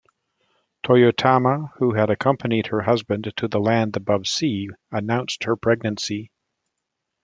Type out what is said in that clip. Toyotama, who had accompanied her husband to the land above sea, announced her pregnancy.